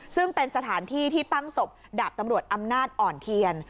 ซึ่งเป็นสถานที่ที่ตั้งศพดาบตำรวจอำนาจอ่อนเทียน